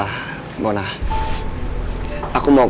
aku mau klip bike main baru